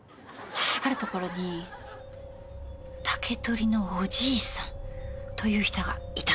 「あるところに竹取りのおじいさんという人がいたそうなんです」